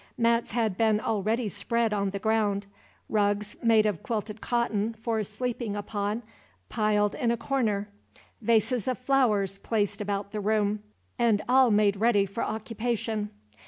Mats had been already spread on the ground; rugs made of quilted cotton, for sleeping upon, piled in a corner; vases of flowers placed about the room, and all made ready for occupation.